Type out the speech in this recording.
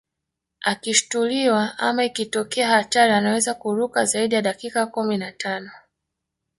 Akishituliwa ama ikitokea hatari anaweza kuruka zaidi ya dakika kumi na tano